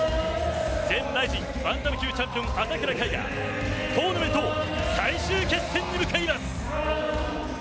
前ＲＩＺＩＮバンタム級チャンピオン、朝倉海トーナメント最終決戦に向かいます。